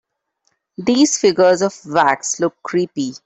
These figures of wax look creepy.